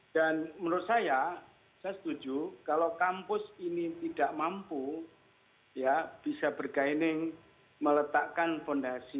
dan menurut saya saya setuju kalau kampus ini tidak mampu ya bisa bergaining meletakkan fondasi